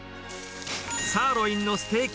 サーロインのステーキ